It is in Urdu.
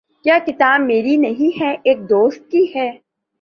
یہ کتاب میری نہیں ہے۔ ایک دوست کی ہے